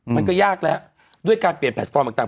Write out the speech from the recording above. มันก็ยากแล้วด้วยการเปลี่ยนแพลตฟอร์มต่าง